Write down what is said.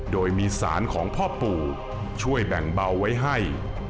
โดยมีสารของพ่อปู่ช่วยแบ่งเบาไว้ให้